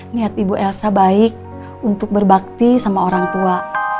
niat ibu elsa baik untuk berbakti sama orang tua